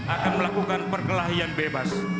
akan melakukan perkelahian bebas